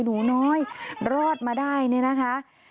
หนูน้อยรอดมาได้เนี่ยนะคะ